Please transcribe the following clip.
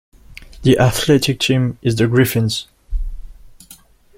The athletic team is the 'Griffins'.